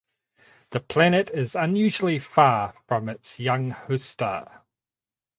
The planet is unusually far from its young host star.